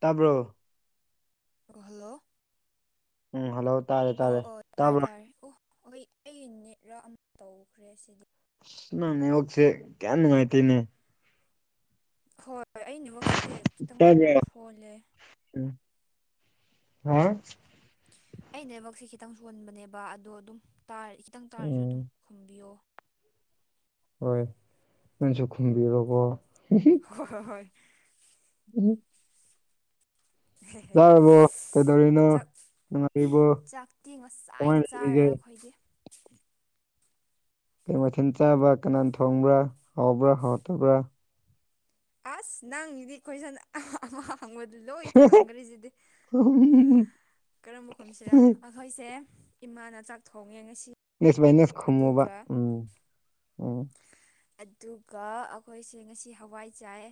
ꯇꯥꯕ꯭ꯔꯣ ꯍꯜꯂꯣ ꯎꯝ ꯍꯂꯧ ꯇꯥꯏꯌꯦ ꯑꯣ ꯑꯣ ꯇꯥꯔꯦ ꯇꯥꯔꯦ ꯑꯣ ꯍꯣꯏ ꯑꯩ ꯅꯦꯠꯂ ꯑꯃ ꯇꯧꯈ꯭ꯔꯦ ꯁꯤꯗꯤ ꯅꯪ ꯅꯦꯠꯋꯥꯛꯁꯦ ꯀꯌꯥ ꯅꯨꯡꯉꯥꯏ ꯇꯦꯅꯦ ꯍꯣꯏ ꯑꯩꯅꯦꯠꯋꯥꯛ [unintelligible] ꯑꯩꯅꯕꯃꯛꯁꯦ ꯈꯤꯇꯪ ꯁꯣꯟꯣꯟꯕꯅꯦꯕ ꯑꯗꯣ ꯑꯗꯨꯝ ꯇꯥ ꯈꯤꯇꯪ ꯇꯥꯔꯁꯨ ꯑꯗꯨꯝ ꯎꯝ ꯈꯨꯝꯕꯤꯌꯣ ꯍꯣꯏ ꯅꯪꯁꯨ ꯈꯨꯝꯕꯤꯔꯣꯀꯣ ꯍꯣꯏ ꯍꯣꯏ ꯎꯝ ꯍ ꯍꯣꯏ ꯆꯥꯔꯕꯣ ꯀꯩꯗꯧꯔꯤꯅꯣ ꯆꯥꯛ ꯅꯨꯡꯉꯥꯏꯔꯤꯕꯣ ꯆꯥꯛꯇꯤ ꯉꯁꯥꯏꯅ ꯀꯃꯥꯏꯅ ꯆꯥꯔꯦ ꯂꯩꯔꯤꯒꯦ ꯑꯩꯈꯣꯏꯗꯤ ꯀꯩ ꯃꯊꯤꯟ ꯆꯥꯕ ꯀꯅꯥꯅ ꯊꯣꯡꯕ꯭ꯔꯥ ꯍꯥꯎꯕ꯭ꯔꯥ ꯍꯥꯎꯔꯇꯕ꯭ꯔꯥ ꯑꯁ ꯅꯪꯒꯤꯗꯤ ꯀꯣꯏꯁꯟ ꯑꯃꯥ ꯍꯪꯕꯗꯨ ꯂꯣꯏ ꯊꯥꯡꯈ꯭ꯔꯔꯤꯁꯤꯗꯤ ꯀꯔꯝꯕ ꯈꯨꯝꯁꯤꯔꯥ ꯑꯩꯈꯣꯏꯁꯦ ꯏꯃꯥꯅ ꯆꯥꯛ ꯊꯣꯡꯉꯦ ꯉꯁꯤ [unintelligible] ꯑꯗꯨꯒ ꯎꯝ ꯎꯝ ꯑꯗꯨꯒ ꯑꯩꯈꯣꯏꯁꯦ ꯉꯁꯤ ꯍꯋꯥꯏ ꯆꯥꯏꯌꯦ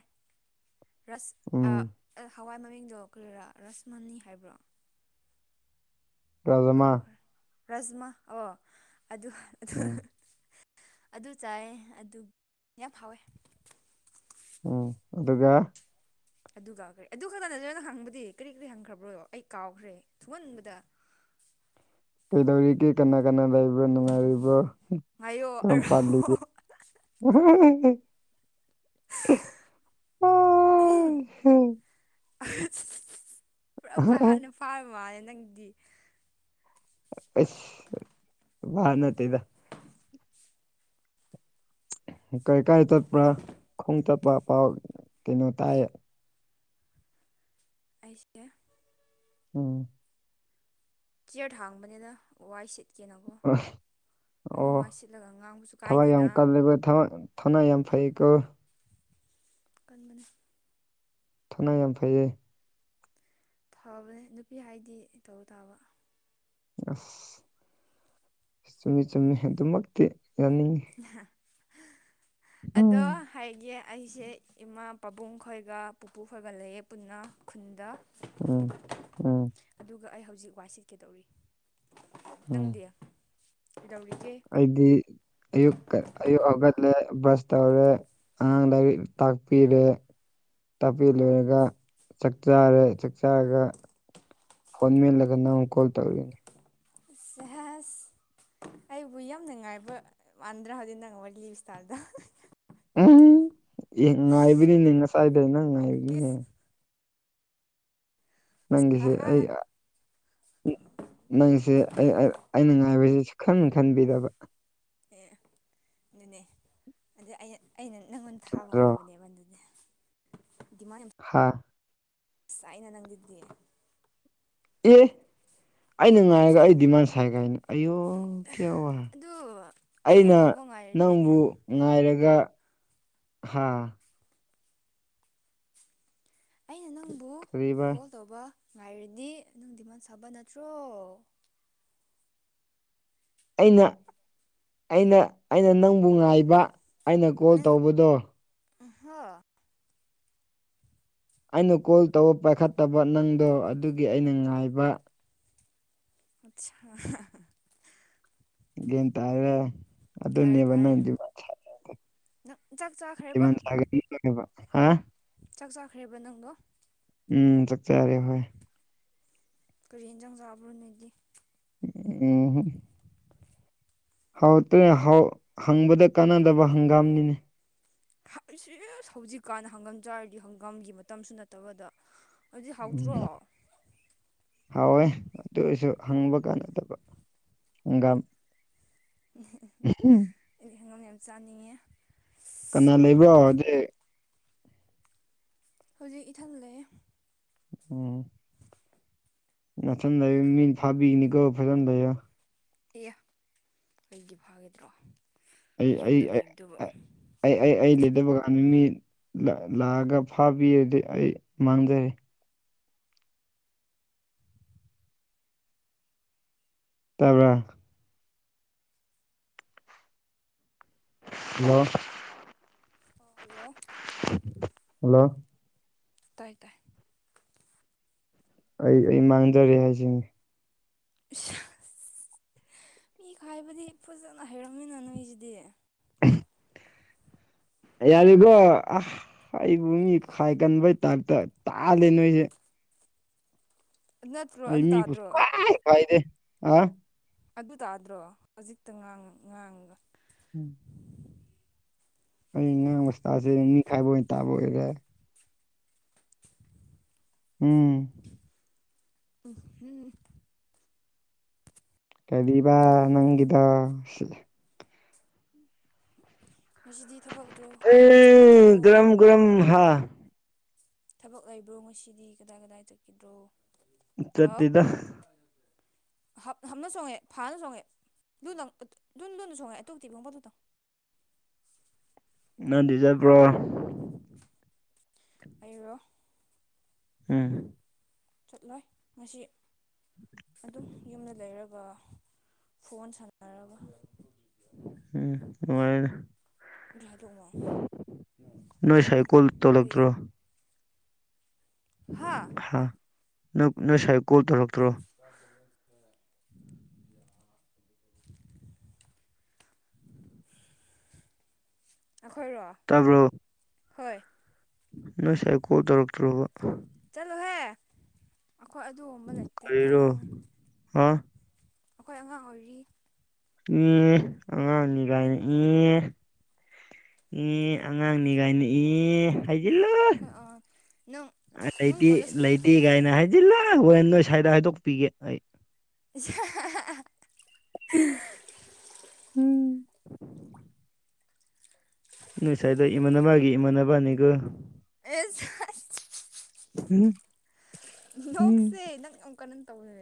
ꯔꯁ ꯎꯝ ꯑ ꯍꯋꯥꯏ ꯃꯃꯤꯡꯗꯣ ꯀꯔꯤꯔꯥ ꯔꯁꯃꯅꯤ ꯍꯥꯏꯕ꯭ꯔꯣ ꯔꯥꯖꯃꯥ ꯀꯥꯎꯈ꯭ꯔꯦ ꯔꯥꯖꯃꯥ ꯑꯣ ꯑꯗꯨ ꯎꯝ ꯑꯗꯨ ꯆꯥꯏꯌꯦ ꯑꯗꯨ ꯌꯥꯝ ꯍꯥꯎꯋꯦ ꯎꯝ ꯑꯗꯨꯒ ꯑꯗꯨ ꯀꯥꯎꯈ꯭ꯔꯦ ꯑꯗꯨ ꯈꯛꯇ ꯅꯗꯣꯏꯅ ꯍꯪꯕꯗꯤ ꯀꯔꯤ ꯀꯔꯤ ꯍꯪꯈ꯭ꯔꯕ꯭ꯔꯣ ꯑꯩ ꯀꯥꯎꯈ꯭ꯔꯦ ꯊꯨꯝꯍꯟꯕꯗ ꯀꯩꯗꯧꯔꯤꯒꯦ ꯀꯅꯥ ꯀꯅꯥ ꯂꯩꯕ꯭ꯔꯥ ꯅꯨꯡꯉꯥꯏꯔꯤꯕ꯭ꯔꯣ ꯉꯥꯏꯌꯣ ꯀꯔꯝ ꯑꯔꯣ ꯄꯥꯜꯂꯤꯒꯦ [unintelligible] ꯎꯝ ꯑꯥꯏ ꯍꯦ ꯑ [unintelligible] ꯄꯨꯔꯞ ꯚꯞ ꯍꯠꯅ ꯐꯥꯕ ꯃꯥꯅꯦ ꯅꯪꯗꯤ ꯑꯁ ꯚꯞ ꯅꯠꯇꯦꯗ ꯀꯔꯤ ꯀꯥꯏ ꯆꯠꯄ꯭ꯔꯥ ꯈꯣꯡ ꯆꯠꯄ ꯄꯥꯎ ꯀꯩꯅꯣ ꯇꯥꯏ ꯑꯩꯁꯦ ꯎꯝ ꯆꯤꯌ꯭ꯔ ꯊꯥꯡꯕꯅꯤꯗ ꯋꯥꯏ ꯁꯤꯠꯀꯦꯅꯀꯣ ꯑꯣ ꯑꯗꯨꯝ ꯋꯥꯏ ꯁꯤꯠꯂꯒ ꯉꯥꯡꯕꯁꯨ ꯊꯕꯛ ꯌꯥꯝ ꯀꯥꯏꯗꯦꯅ ꯀꯜꯂꯦꯕꯣ ꯊꯕꯛ ꯊꯧꯅꯥ ꯌꯥꯝ ꯐꯩꯌꯦꯀꯣ ꯀꯟꯕꯅꯤ ꯊꯧꯅ ꯌꯥꯝ ꯐꯩꯌꯦ ꯐꯕꯅꯦ ꯅꯨꯄꯤ ꯍꯥꯏꯗꯤ ꯇꯧ ꯇꯥꯕ ꯑ ꯆꯨꯝꯃꯤ ꯆꯨꯝꯃꯤ ꯑꯗꯨꯃꯛꯇꯤ ꯌꯥꯅꯤꯡꯉꯤ ꯑꯗꯣ ꯎꯝ ꯍꯥꯏꯒꯦ ꯑꯩꯁꯦ ꯏꯃꯥ ꯄꯥꯕꯨꯡ ꯈꯣꯏꯒ ꯄꯨꯄꯨ ꯈꯣꯏꯒ ꯂꯩꯌꯦ ꯄꯨꯟꯅ ꯈꯨꯟꯗ ꯎꯝ ꯎꯝ ꯑꯗꯨꯒ ꯑꯩ ꯍꯧꯖꯤꯛ ꯋꯥꯏ ꯁꯤꯠꯀꯦ ꯇꯧꯔꯤ ꯎꯝ ꯅꯪꯗꯤ ꯀꯩꯗꯧꯔꯤꯒꯦ ꯑꯩꯗꯤ ꯑꯌꯨꯛ ꯀ ꯑꯌꯨꯛ ꯍꯧꯒꯠꯂꯦ ꯕ꯭ꯔꯁ ꯇꯧꯔꯦ ꯑꯉꯥꯡ ꯂꯥꯏꯔꯤꯛ ꯇꯥꯛꯄꯤꯔꯦ ꯇꯥꯛꯄꯤ ꯂꯣꯏꯔꯒ ꯆꯥꯛ ꯆꯥꯔꯦ ꯆꯥꯛ ꯆꯥꯔꯒ ꯐꯣꯟ ꯃꯦꯜꯂꯒ ꯅꯪ ꯀꯣꯜ ꯇꯧꯏꯅꯤ ꯁꯦꯍꯦꯁ ꯑꯩꯕꯨ ꯌꯥꯝꯅ ꯉꯥꯏꯕ ꯃꯥꯟꯗ꯭ꯔꯥ ꯍꯧꯖꯤꯛ ꯅꯪ ꯋꯥꯔꯤꯂꯤꯕ ꯏꯁꯇꯥꯏꯜꯗꫭ ꯎꯝ ꯏ ꯉꯥꯏꯕꯤꯅꯤꯅꯦ ꯉꯁꯥꯏꯗꯩ ꯅꯪ ꯉꯥꯏ ꯏꯁ ꯍꯥ ꯅꯪꯒꯤꯁꯦ ꯍꯥ ꯑꯩ ꯑ ꯅꯪꯁꯦ ꯑꯩ ꯑ ꯑꯩꯅ ꯉꯥꯏꯕꯁꯦ ꯁꯨꯈꯟ ꯈꯟꯕꯤꯗꯕ ꯑꯦ ꯑꯗꯨꯅꯦ ꯑꯗꯩ ꯑꯩ ꯑꯩꯅ ꯅꯪꯉꯣꯟꯗ ꯊꯥꯕ ꯑꯗꯣ ꯉꯥꯏꯕꯅꯦꯕ ꯑꯗꯨꯗꯤ ꯗꯤꯃꯥꯟ ꯌꯥꯝ ꯍꯥꯥ ꯉꯁꯥꯏꯅ ꯅꯪ ꯗꯨꯗꯤ ꯑꯦ ꯑꯩꯅ ꯉꯥꯏꯔꯒ ꯑꯩ ꯗꯤꯃꯥꯟ ꯁꯥꯏ ꯀꯥꯏꯅ ꯑꯌꯣ ꯈꯦꯑꯣꯏ ꯑꯗꯨ ꯑꯩꯅ ꯇꯧꯕ ꯉꯥꯏꯔꯗꯤ ꯅꯪꯕꯨ ꯉꯥꯏꯔꯒ ꯍꯥꯥ ꯑꯩꯅ ꯅꯪꯕꯨ ꯀꯔꯤꯕ ꯀꯣꯜ ꯇꯧꯕ ꯉꯥꯏꯔꯗꯤ ꯅꯪ ꯗꯤꯃꯥꯟ ꯁꯥꯕ ꯅꯠꯇ꯭ꯔꯣ ꯑꯩꯅ ꯑꯩꯅ ꯑꯩꯅ ꯅꯪꯕꯨ ꯉꯥꯏꯕ ꯑꯩꯅ ꯀꯣꯜ ꯇꯧꯕꯗꯣ ꯎꯝꯍ ꯑꯩꯅ ꯀꯣꯜ ꯇꯧꯕ ꯄꯥꯏꯈꯠꯇꯕ ꯅꯪꯗꯣ ꯑꯗꯨꯒꯤ ꯑꯩꯅ ꯉꯥꯏꯕ ꯑꯠꯁꯥ ꯒ꯭ꯌꯥꯟ ꯇꯥꯏꯔ ꯇꯥꯔꯦ ꯑꯗꯨꯅꯦꯕ ꯇꯥꯔꯦ ꯅꯪꯗꯤ ꯅꯪ ꯆꯥꯛ ꯆꯥꯈ꯭ꯔꯦ ꯍꯥ ꯆꯥꯛ ꯆꯥꯈ꯭ꯔꯦꯕ ꯅꯪꯗꯣ ꯎꯝ ꯆꯥꯛꯆꯥꯔꯦ ꯍꯣꯏ ꯀꯔꯤ ꯏꯟꯖꯥꯡ ꯆꯥꯕ꯭ꯔꯣ ꯅꯣꯏꯗꯤ ꯎꯝꯍꯨꯝ ꯍꯥꯎꯇ꯭ꯔꯦ ꯍꯥꯏ ꯍꯪꯕꯗ ꯀꯥꯟꯅꯗꯕ ꯍꯪꯒꯥꯝꯅꯤꯅꯦ ꯏꯁ ꯏꯁ ꯍꯧꯖꯤꯛꯀꯥꯟ ꯍꯪꯒꯥꯝ ꯆꯥꯔꯗꯤ ꯍꯪꯒꯥꯝꯒꯤ ꯃꯇꯝꯁꯨ ꯅꯠꯇꯕꯗ ꯍꯧꯖꯤꯛ ꯍꯥꯎꯇ꯭ꯔꯣ ꯎꯝ ꯍꯥꯎꯋꯦ ꯑꯗꯨꯔꯁꯨ ꯍꯪꯕ ꯀꯥꯟꯅꯗꯕ ꯏꯟꯒꯥ ꯎ ꯑꯩꯗꯤ ꯍꯪꯒꯝ ꯌꯥꯝ ꯆꯥꯅꯤꯡꯉꯦ ꯀꯅꯥ ꯂꯩꯕ꯭ꯔꯣꯖꯤꯦ ꯍꯧꯖꯤꯛ ꯏꯊꯜꯂꯦ ꯎꯝ ꯅꯠꯊꯟ ꯂꯩ ꯃꯤꯅ ꯐꯥꯕꯤꯅꯤꯀ ꯐꯖꯅ ꯂꯩꯌꯦ ꯑꯦ ꯑꯩꯗꯤ ꯐꯥꯒꯗ꯭ꯔꯣ ꯑꯩ ꯑꯩ ꯌꯨꯝꯗ ꯂꯩꯕꯗꯨꯕꯨ ꯑꯩ ꯑꯩ ꯑꯩ ꯂꯩꯗꯕ ꯀꯥꯟꯗ ꯃꯤ ꯂꯥꯛꯑꯒ ꯐꯥꯕꯤ ꯑꯗꯨꯗꯩ ꯑꯩ ꯃꯥꯡꯖꯔꯦ ꯇꯕ꯭ꯔꯥ ꯍꯜꯂꯣ ꯍꯜꯂꯣ ꯍꯜꯂꯣ ꯇꯥꯏ ꯇꯥꯏ ꯑꯩ ꯑꯩ ꯃꯥꯡꯖꯔꯦ ꯍꯥꯏꯁꯤꯅꯤ ꯏꯁ ꯃꯤ ꯈꯥꯏꯕꯗꯤ ꯐꯖꯅ ꯍꯩꯔꯝꯃꯤꯅ ꯅꯣꯏꯖꯤꯗꯤ ꯑꯩ ꯌꯥꯔꯤꯒꯣ ꯑꯥ ꯑꯩꯕꯨ ꯃꯤ ꯈꯥꯏꯒꯟꯕꯩ ꯇꯥꯏꯞꯇ ꯇꯥꯜꯂꯦ ꯅꯣꯏꯖꯦ ꯅꯠꯇ꯭ꯔꯣ ꯑꯩ ꯑꯗꯨ ꯃꯤꯕꯨ ꯇꯥꯗ꯭ꯔꯣ ꯁꯨꯡꯈꯥꯏ ꯈꯥꯏꯗꯦ ꯑꯗꯨ ꯇꯥꯗ꯭ꯔꯣ ꯍꯧꯖꯤꯛꯇꯥꯡ ꯉꯥꯡꯒ ꯎꯝ ꯑꯩ ꯉꯥꯡꯕꯁꯇꯥꯁꯦ ꯅꯤꯡꯈꯥꯏꯕ ꯑꯣꯏꯅ ꯇꯥꯕ ꯑꯣꯏꯔꯦ ꯎꯝ ꯎ ꯎꯝ ꯀꯔꯤꯕ ꯅꯪꯒꯤꯤꯗ ꯁꯤ ꯉꯁꯤꯗꯤ ꯊꯕꯛꯇ꯭ꯔꯣ ꯀꯣꯏꯕ ꯆꯠꯀꯦꯔꯣ ꯀ ꯀ꯭ꯔꯝ ꯍꯥ ꯊꯕꯛ ꯂꯩꯕ꯭ꯔꯣ ꯉꯁꯤꯗꯤ ꯀꯗꯥꯏ ꯀꯗꯥꯏ ꯆꯠꯈꯤꯗ꯭ꯔꯣ ꯎ ꯆꯇꯤꯗ ꯞ ꯍꯝꯅ ꯆꯣꯡꯉꯦ ꯐꯥꯅ ꯆꯣꯡꯉꯦ ꯂꯨ ꯂꯨ ꯂꯨꯅ ꯆꯣꯡꯉꯦ ꯑꯇꯣꯛꯇꯤꯕꯤꯣꯡꯕꯗꯨꯇꯪ ꯅꯪ ꯗꯤꯖꯔꯕ꯭ꯔꯣ ꯑꯔꯣ ꯎꯝ ꯆꯠꯂꯣꯏ ꯉꯁꯤ ꯑꯗꯨꯝ ꯌꯨꯝꯗ ꯂꯩꯔꯒ ꯐꯣꯟ ꯁꯥꯟꯅꯔꯒ ꯎꯝ ꯃꯔ ꯎꯂꯥ ꯗꯉ ꯎꯝ ꯅꯣꯏ ꯎꯝ ꯁꯥꯏ ꯎꯝ ꯀꯣꯜ ꯇꯧꯔꯛꯇ꯭ꯔꯣ ꯍꯥ ꯅꯪ ꯅꯪꯁꯥꯏ ꯀꯣꯜ ꯇꯧꯔꯛꯇ꯭ꯔꯣ [inaudible] ꯑꯩꯈꯣꯏ ꯔꯣ ꯇꯕ꯭ꯔꯣ ꯍꯣꯏ ꯅ ꯁꯔꯦ ꯀꯣ ꯇꯔꯛꯇ ꯇꯔꯕ ꯆꯠꯂꯣꯍꯦ ꯑꯩꯈꯣꯏ ꯑꯗꯨꯕ ꯂꯩꯇꯦ ꯑꯉꯥꯡꯅꯦ ꯑꯥ ꯑꯩꯈꯣꯏ ꯑꯉꯥꯡ ꯑꯣꯏꯔꯤ ꯎꯝ ꯑꯉꯥꯡꯅꯤ ꯀꯥꯏꯅꯤ ꯎ ꯏ ꯑꯉꯥꯡꯅꯤ ꯀꯥꯏꯅꯤ ꯏ ꯍꯥꯏꯒꯣ ꯑꯩꯈꯣꯏ ꯑꯉꯥꯡ ꯅꯪ ꯅꯪ ꯂꯩꯥꯏꯇꯤ ꯀꯣꯂꯦꯖ ꯂꯩꯥꯏꯇ ꯗꯤ ꯀꯥꯏꯅ ꯍꯥꯏꯖꯤꯜꯂꯥꯛ ꯍꯣꯏꯦꯟ ꯅꯣꯏ ꯁ꯭ꯋꯥꯏꯗ ꯍꯥꯏꯗꯣꯛꯄꯤꯒꯦ ꯑꯩ ꯑꯁ ꯍꯥ ꯍꯥ ꯍꯥ ꯎꯝ ꯎꯝ ꯅꯣꯏ ꯁ꯭ꯋꯥꯏꯗꯣ ꯏꯃꯥꯟꯅꯕꯒꯤ ꯏꯃꯥꯟꯅꯕꯅꯤꯀꯣ ꯎꯝ ꯎꯝ ꯅꯣꯛꯁꯦ ꯅꯪ ꯀꯩꯅꯣꯝ ꯇꯧꯋꯦ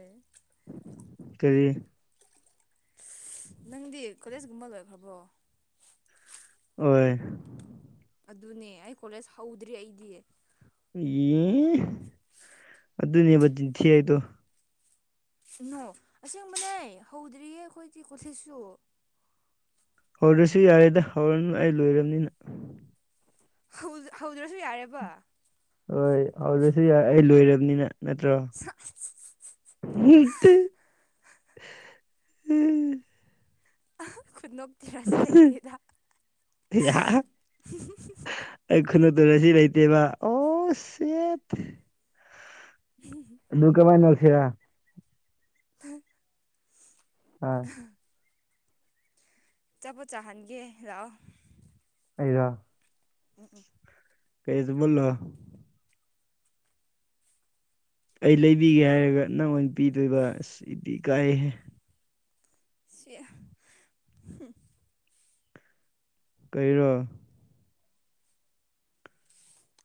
ꯀꯔꯤ ꯅꯪꯗꯤ ꯀꯣꯂꯦꯖꯒꯨꯝꯕ ꯂꯣꯏꯈ꯭ꯔꯕꯣ ꯑꯣꯏ ꯑꯗꯨꯅꯦ ꯑꯩ ꯀꯣꯂꯦꯖ ꯍꯧꯗ꯭ꯔꯤ ꯑꯩꯗꯤ ꯌꯦ ꯑꯗꯨꯅꯦꯕꯤꯟꯁꯤ ꯍꯥꯏꯥꯏꯗꯣ ꯀꯅꯣ ꯑꯁꯦꯡꯕꯅꯦ ꯍꯧꯗ꯭ꯔꯤꯌꯦ ꯑꯩꯈꯣꯏꯗꯤ ꯀꯣꯊꯤꯠꯁꯨ ꯍꯧꯔꯁꯨ ꯌꯥꯔꯦꯗ ꯍꯧꯔꯅꯨ ꯑꯩ ꯂꯣꯏꯔꯕꯅꯤꯅ ꯍꯧꯗ꯭ꯔꯁꯨ ꯌꯥꯔꯦꯕ ꯍꯣꯏ ꯍꯧꯔꯁꯨ ꯌꯥꯏ ꯑꯩ ꯂꯣꯏꯔꯕꯅꯤꯅ ꯅꯠꯇ꯭ꯔꯣ ꯍꯠ ꯎꯝ ꯀꯅꯣ [inaudible] ꯑꯩ ꯈꯨꯅ ꯇꯔꯁꯤ ꯂꯩꯇꯦꯕ ꯑꯣ ꯁꯦꯠ ꯑꯗꯨꯗꯨ ꯀꯃꯥꯏꯅ ꯅꯁꯤ ꯑ ꯆꯄꯣꯠ ꯆꯥꯍꯟꯒꯦ ꯂꯥꯛꯑꯣ ꯑꯩꯔ ꯎ ꯎ ꯀꯩꯖꯨꯕꯜꯂꯣ ꯑꯩ ꯂꯩꯕꯤꯒꯦ ꯍꯥꯏꯔꯒ ꯅꯪ ꯑꯣꯏꯅ ꯄꯤꯗꯣꯏꯕ ꯑꯁ ꯏꯗꯤ ꯏꯀꯥꯏꯍꯦ ꯁꯦ ꯀꯩꯔꯣ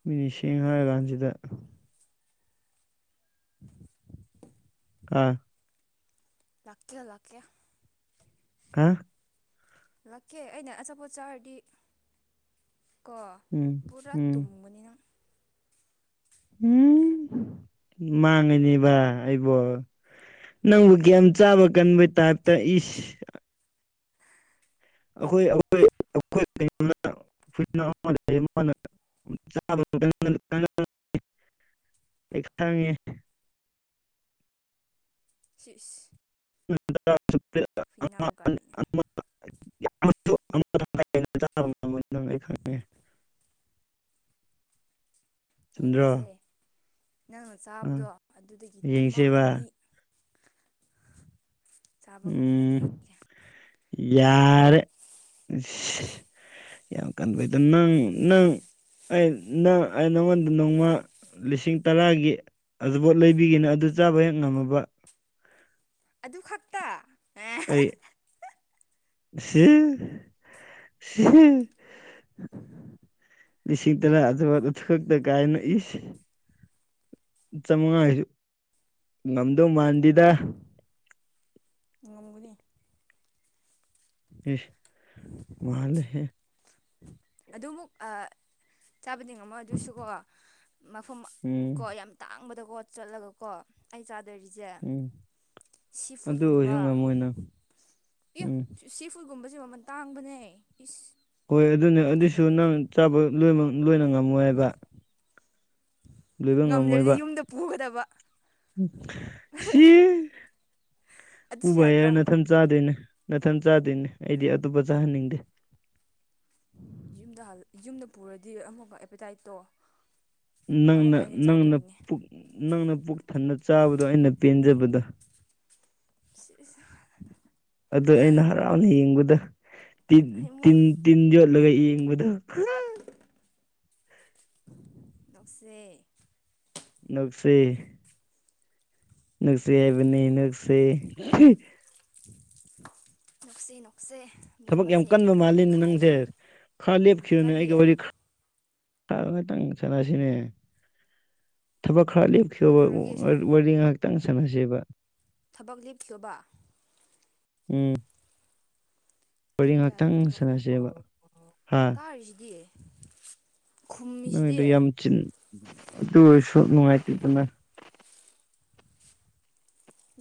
ꯃꯤꯁꯦꯡꯅꯔ ꯀꯥꯟꯖꯤꯗ ꯑꯥ ꯂꯥꯛꯀꯦ ꯂꯥꯛꯀꯦ ꯎꯃ ꯂꯥꯛꯀꯦ ꯑꯩꯅ ꯑꯆꯥꯄꯣꯠ ꯆꯥꯔꯗꯤ ꯀꯣ ꯎꯝ ꯄꯨꯔꯥ ꯎꯝ ꯇꯨꯝꯒꯅꯤꯅꯪ ꯎꯝ ꯃꯥꯡꯉꯤꯅꯦꯕ ꯑꯩꯕꯣ ꯎꯝ ꯅꯪꯕꯨ ꯒ꯭ꯌꯥꯟ ꯆꯥꯕ ꯀꯟꯕ ꯇꯥꯏꯞꯇ ꯏꯁ ꯑꯈꯣꯏ ꯑꯈꯣꯏ ꯑꯈꯣꯏ [unintelligible] [unintelligible] ꯑꯩ ꯈꯪꯉꯦ ꯁꯤꯁ ꯍꯨꯏꯅꯥꯎꯒ ꯑꯩꯅ [unintelligible] [unintelligible] ꯈꯪꯉꯦ [inaudible] ꯆꯨꯝꯗ꯭ꯔꯣ ꯌꯦꯡꯅꯁꯦ ꯅꯪꯅ ꯑ ꯆꯥꯕꯗꯣ ꯑꯗꯨꯗꯒꯤ ꯇꯃꯥ ꯑꯅꯤ ꯌꯦꯡꯁꯦꯕ ꯆꯥꯕ ꯉꯝꯕꯅꯦ ꯎꯝ ꯑꯩꯁꯦ ꯌꯥꯔꯦ ꯑꯩꯁ ꯌꯥꯝ ꯀꯟꯕꯩꯗ ꯅꯪ ꯅꯪ ꯑ ꯅꯪ ꯑꯩ ꯅꯉꯣꯟꯗ ꯅꯣꯡꯃ ꯂꯤꯁꯤꯡ ꯇꯔꯥꯒꯤ ꯑꯗꯨꯕꯣꯠ ꯂꯩꯕꯤꯒꯦꯅꯦ ꯑꯗꯨ ꯆꯥꯕ ꯍꯦꯛ ꯉꯝꯃꯕ ꯑꯗꯨ ꯈꯛꯇ ꯑꯦ ꯑꯩ ꯁꯤꯔ ꯁꯤ ꯂꯤꯁꯤꯡ ꯇꯔꯥ ꯑꯗꯨ ꯑꯗꯨ ꯈꯛꯇ ꯀꯥꯏꯅ ꯏꯁ ꯆꯧꯉꯥ ꯍꯥꯏꯁꯨ ꯉꯝꯗꯧ ꯃꯥꯟꯗꯦꯗ ꯉꯝꯒꯅꯤ ꯃꯥꯂ ꯍꯦ ꯑꯗꯨꯃꯨꯛ ꯆꯥꯕꯗꯤ ꯉꯝꯃꯣ ꯑꯗꯨꯁꯨꯀꯣ ꯃꯐꯝ ꯀꯣ ꯎꯝ ꯌꯥꯝ ꯇꯥꯡꯕꯗꯀꯣ ꯆꯠꯂꯒꯀꯣ ꯑꯩ ꯆꯥꯗꯔꯤꯁꯦ ꯎꯝ ꯁꯤ ꯑꯗꯨ ꯐꯨꯗꯀꯨꯝꯕ ꯑꯣꯏꯔꯁꯨ ꯉꯝꯃꯣꯏ ꯅꯪ ꯏ ꯎꯝ ꯁꯤ ꯐꯨꯠꯒꯨꯝꯕꯁꯦ ꯃꯃꯟ ꯇꯥꯡꯕꯅꯦ ꯏꯁ ꯍꯣꯏ ꯑꯗꯨꯅꯦ ꯀꯩ ꯑꯗꯨꯁꯨ ꯈꯪꯒꯦꯅ ꯅꯪ ꯆꯥꯕ ꯂꯣꯏꯃꯛ ꯂꯣꯏꯅ ꯉꯝꯃꯣꯏ ꯍꯥꯏꯕ ꯂꯣꯏꯕ ꯉꯝꯃꯣꯏꯕ ꯉꯝꯗ꯭ꯔꯗꯤ ꯌꯨꯝꯗ ꯄꯨꯒꯗꯕ ꯁꯤꯁ ꯑꯗꯨꯁꯨ ꯎꯕꯥ ꯌꯥꯏ ꯌꯥꯗ꯭ꯔꯣ ꯅꯥꯊꯟꯆꯥꯗꯣꯏꯅꯦ ꯅꯥꯊꯟ ꯆꯥꯗꯣꯏꯅꯦ ꯑꯩꯗꯤ ꯑꯇꯣꯞꯄ ꯆꯥꯍꯟꯅꯤꯡꯗꯦ ꯌꯨꯝꯗ ꯌꯨꯝꯗ ꯄꯨꯔꯗꯤ ꯑꯃꯨꯕ ꯑꯦꯄꯦꯇꯥꯏꯠꯇꯣ ꯑꯃꯨꯛꯀ ꯅꯪꯅ ꯑꯩꯅ ꯅꯪꯅ ꯆꯥꯗꯣꯔꯤꯅꯦ ꯄꯨꯛ ꯅꯪꯅ ꯄꯨꯛ ꯊꯟꯅ ꯆꯥꯕꯗꯣ ꯑꯩꯅ ꯄꯦꯟꯖꯕꯗꯣ ꯁꯤꯖ ꯑꯥ ꯑꯗꯨ ꯑꯩꯅ ꯍꯔꯥꯎꯅ ꯌꯦꯡꯕꯗꯣ ꯇꯤꯟ ꯍꯩꯃꯣ ꯇꯤꯟ ꯇꯤꯟ ꯌꯣꯠ ꯂꯒꯦ ꯌꯦꯡꯕꯗꯣ ꯍꯥ [inaudible] ꯁꯦ ꯅꯅꯨꯡꯁꯤ ꯅꯨꯡꯁꯤ ꯍꯥꯏꯕꯅꯤ ꯅꯨꯡꯁꯤ ꯅꯨꯡꯁꯤ ꯅꯨꯡꯁꯦ ꯊꯕꯛ ꯌꯥꯝ ꯀꯟꯕ ꯃꯥꯜꯂꯤꯅꯦ ꯅꯪꯁꯦ ꯈꯔ ꯂꯦꯞꯈꯤꯕꯅꯦ ꯀꯔꯤ ꯑꯩꯒꯤ ꯋꯥꯔꯤ ꯉꯇꯪ ꯆꯠꯅꯁꯤꯅꯦ ꯊꯕꯛ ꯈꯔꯦꯞ ꯀꯩꯗꯧꯔꯒꯦ ꯁꯅꯥ ꯋꯥꯔꯤ ꯉꯥꯏꯍꯥꯛꯇꯪ ꯁꯥꯟꯅꯁꯦꯕ ꯊꯕꯛ ꯂꯦꯞꯈꯤꯕꯌꯣꯕ ꯎꯝ ꯋꯥꯔꯤꯣꯔ ꯂꯦꯞꯄ ꯉꯥꯛꯇꯪ ꯌꯥꯗꯕ ꯁꯥꯟꯅꯁꯦꯕ ꯍꯥ ꯍꯥꯏꯔꯁꯤꯗꯤꯑꯌꯦ ꯅꯣꯏꯗ ꯌꯥꯝ ꯆꯤꯟ ꯑꯗꯨ ꯑꯣꯏꯁꯨ ꯅꯨꯡꯉꯥꯏꯇꯦꯗꯅ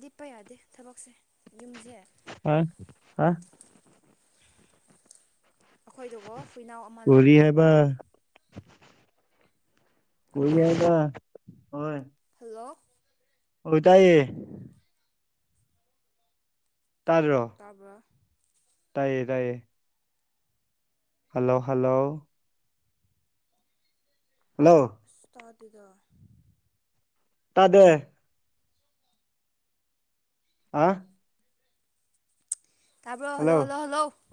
ꯗꯤꯄ ꯌꯥꯗꯦ ꯊꯕꯛꯁꯦ ꯌꯨꯝꯁꯦ ꯍꯥ ꯍꯥ ꯑꯩꯈꯣꯏꯗꯒꯣ ꯍꯨꯏꯅꯥꯎ ꯑꯃ ꯀꯣꯔꯤ ꯍꯥꯏꯕ ꯂꯧꯕꯅꯦꯕꯀꯣ ꯀ ꯍꯜꯂꯣ ꯌꯥꯗ ꯍꯣꯏ ꯍꯜꯂꯣ ꯑꯣꯏ ꯇꯏꯌꯦ ꯇꯥꯔꯣ ꯇꯥꯕ ꯇꯥꯏꯌꯦ ꯇꯥꯏꯌꯦ ꯍꯜꯂꯣ ꯍꯜꯂꯣ ꯍꯜꯂꯣ ꯑꯁꯇꯥꯗꯗ ꯇꯗ ꯑ ꯍꯜꯂꯣ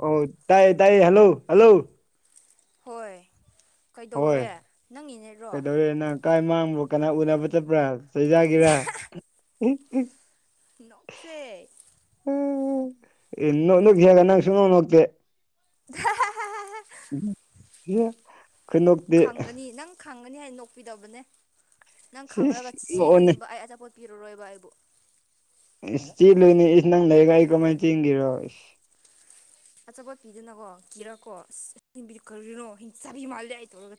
ꯑꯣ ꯇꯥꯏ ꯇꯥꯏ ꯍꯜꯂꯣ ꯍꯜꯂꯣ ꯍꯣꯏ ꯍꯣꯏ ꯀꯩꯗꯧꯔꯦ ꯅꯪꯒꯤꯅꯦꯔꯣ ꯀꯩꯗꯧꯔꯦ ꯅꯪ ꯀꯥꯏ ꯃꯥꯡꯕ ꯀꯅꯥ ꯎꯅꯕ ꯆꯠꯄ꯭ꯔꯥ ꯆꯩꯖꯒꯤꯦꯔ ꯅꯣꯛꯁꯦ ꯎ ꯏꯟꯅꯣ ꯅꯛ ꯍꯦꯒ ꯅꯪ ꯁꯨꯅꯣꯅꯣꯛꯇꯦ ꯊ ꯦ ꯀꯣꯏꯩꯅꯣ ꯈꯪꯒꯅꯤ ꯅꯪ ꯈꯪꯒꯅꯤ ꯍꯥꯏꯅ ꯅꯣꯛꯄꯤꯗꯕꯅꯦ ꯅꯪ ꯁꯤꯁ ꯈꯪꯉꯒ ꯅꯣꯛꯑꯣꯅꯦ ꯆꯦꯡꯒꯅꯦꯕ ꯑꯩ ꯑꯆꯥꯄꯣꯠ ꯄꯤꯔꯔꯣꯏꯕ ꯑꯩꯕꯨ ꯏꯁ ꯆꯦꯂꯣꯏꯅꯦ ꯏꯁ ꯅꯪ ꯂꯩꯔꯒ ꯑꯩ ꯀꯃꯥꯏꯅ ꯆꯦꯟꯒꯦꯔꯣ ꯑꯆꯥꯄꯣꯠꯄꯤꯗꯅꯀꯣ ꯀꯤꯔ ꯀꯣ [unintelligible] ꯀꯔꯤꯅꫭ ꯍꯤꯡꯆꯥꯕꯤ ꯃꯥꯜꯂꯦ ꯑꯩ ꯇꯧꯔꯒ